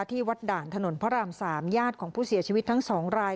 ที่วัดด่านถนนพระราม๓ญาติของผู้เสียชีวิตทั้ง๒ราย